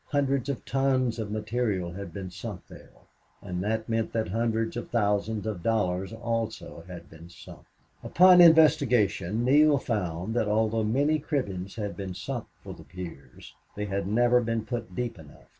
Hundreds of tons of material had been sunk there; and that meant that hundreds of thousands of dollars also had been sunk. Upon investigation Neale found that, although many cribbings had been sunk for the piers, they had never been put deep enough.